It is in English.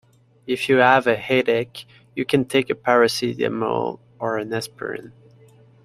If you have a headache, you can take a paracetamol or an aspirin